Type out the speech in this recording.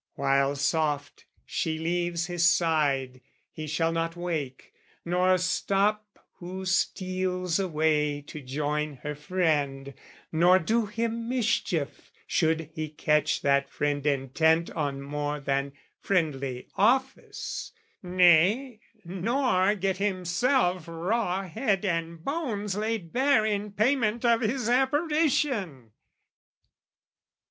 While soft she leaves his side, he shall not wake; Nor stop who steals away to join her friend, Nor do him mischief should he catch that friend Intent on more than friendly office, nay, Nor get himself raw head and bones laid bare In payment of his apparition!